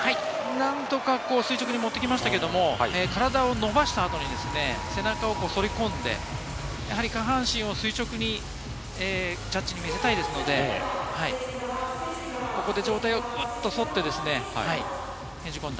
なんとか垂直に持ってきましたけれども、体を伸ばした後に背中を反り込んで、下半身を垂直にジャッジに見せたいですので、上体を反ってねじ込んだ。